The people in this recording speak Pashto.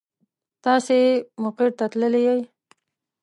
تاسې مقر ته تللي يئ.